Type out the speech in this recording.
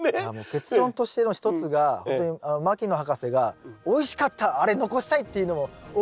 結論としての一つが本当に牧野博士が「おいしかった！あれ残したい」っていうのも一つあると思うんですよ。